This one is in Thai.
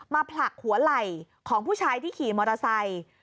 ผลักหัวไหล่ของผู้ชายที่ขี่มอเตอร์ไซค์